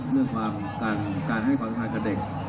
เรื่องการให้กับเด็ก